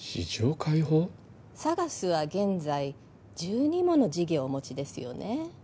ＳＡＧＡＳは現在１２もの事業をお持ちですよね